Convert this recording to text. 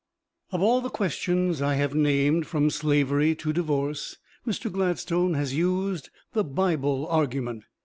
On all the questions I have named, from slavery to divorce, Mr. Gladstone has used the "Bible argument."